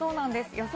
予想